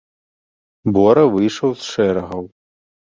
Бора выйшаў з шэрагаў.